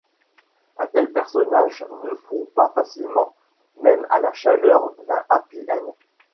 Un tel personnage ne fond pas facilement, même à la chaleur d'un happy end.